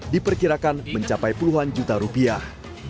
diperkirakan mencapai puluhan juta rupiah